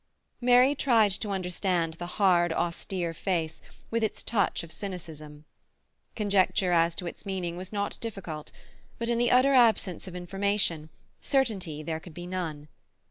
Mary tried to understand the hard, austere face, with its touch of cynicism. Conjecture as to its meaning was not difficult, but, in the utter absence of information, certainty there could be none.